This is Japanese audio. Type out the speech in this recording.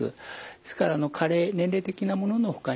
ですから加齢年齢的なもののほかにですね